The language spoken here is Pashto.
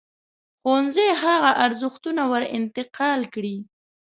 ښوونځی هغه ارزښتونه ور انتقال کړي.